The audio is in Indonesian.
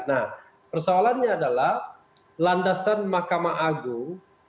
nah persoalannya adalah landasan mahkamah agung